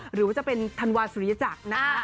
หรือว่าจะเป็นธันวาสุริยจักรนะคะ